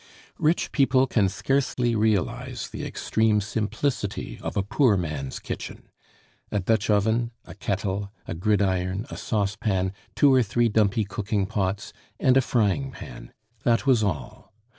Rich people can scarcely realize the extreme simplicity of a poor man's kitchen. A Dutch oven, a kettle, a gridiron, a saucepan, two or three dumpy cooking pots, and a frying pan that was all.